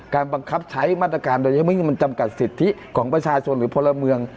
การบังคับใช้มาตรการโดยการจำกัดสิทธิของประชาชวนหรือพระเมือง